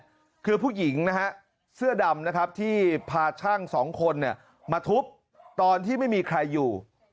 คือผู้หญิงนะฮะเสื้อดำนะครับที่พาช่างสองคนเนี่ยมาทุบตอนที่ไม่มีใครอยู่